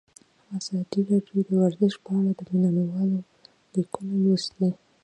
ازادي راډیو د ورزش په اړه د مینه والو لیکونه لوستي.